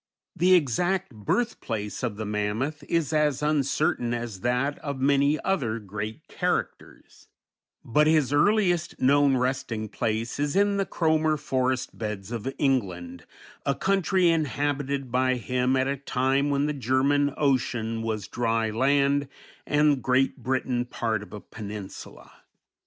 ] The exact birthplace of the mammoth is as uncertain as that of many other great characters; but his earliest known resting place is in the Cromer Forest Beds of England, a country inhabited by him at a time when the German Ocean was dry land and Great Britain part of a peninsula.